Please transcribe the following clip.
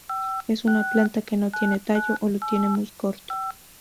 Es una planta que no tiene tallo, o lo tiene muy corto.